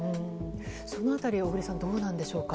その辺り小栗さんどうなんでしょうか。